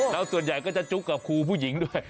แล้วส่วนใหญ่ก็จะจุ๊กกับครูผู้หญิงด้วย